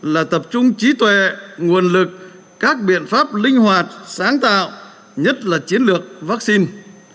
là tập trung trí tuệ nguồn lực các biện pháp linh hoạt sáng tạo nhất là chiến lược vaccine